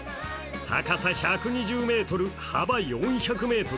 高さ１２０ｍ、幅４００ｍ。